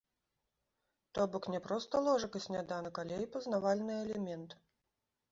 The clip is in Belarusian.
То бок, не проста ложак і сняданак, але і пазнавальны элемент.